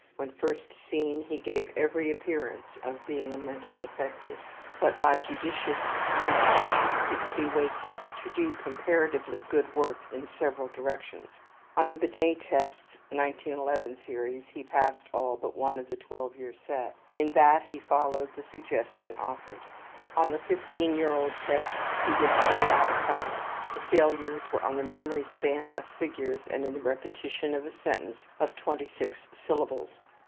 When first seen he gave every appearance of being a mental defective, but by judicious stimulation he could be waked up to do comparatively good work in several directions. On the Binet tests, 1911 series, he passed all but one of the 12 year set; in that he followed the suggestion offered. On the 15 year old tests he did three out of five. The failures were on the memory span of figures and in the repetition of a sentence of 26 syllables.